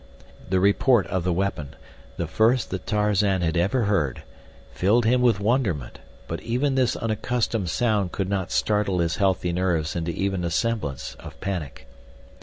The report of the weapon, the first that Tarzan had ever heard, filled him with wonderment, but even this unaccustomed sound could not startle his healthy nerves into even a semblance of panic.